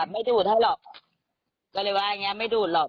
ไม่ดูดให้หรอกก็เลยว่าอย่างเงี้ไม่ดูดหรอก